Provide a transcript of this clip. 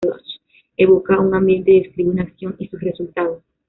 Evoca a un ambiente, y describe una acción y sus resultados.